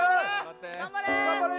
頑張れ